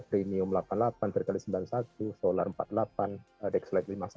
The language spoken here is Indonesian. premium delapan puluh delapan tkd sembilan puluh satu solar empat puluh delapan dexlite lima puluh satu